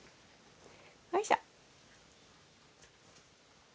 おいしょ。